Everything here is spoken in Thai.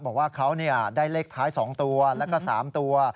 บอกว่าเขาได้เลขท้าย๒ตัวแล้วก็๓ตัว